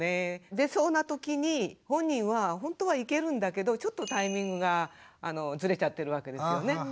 出そうなときに本人はほんとは行けるんだけどちょっとタイミングがずれちゃってるわけですよね。